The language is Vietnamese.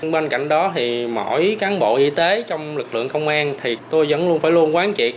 bên cạnh đó thì mỗi cán bộ y tế trong lực lượng công an thì tôi vẫn luôn phải luôn quán triệt